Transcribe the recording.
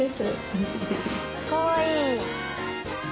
かわいい。